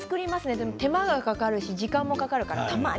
でも手間もかかるし時間もかかるし。